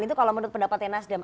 itu kalau menurut pendapatnya nasdem